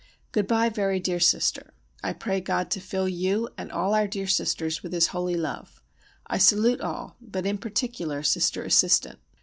Goodbye, very dear daughter; I pray God to fill you and all our dear Sisters with His holy love. I salute all, but in particular Sister Assistant.